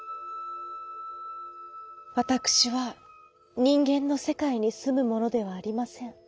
「わたくしはにんげんのせかいにすむものではありません。